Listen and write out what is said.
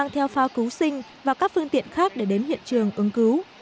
tinh và các phương tiện khác để đến hiện trường ứng cứu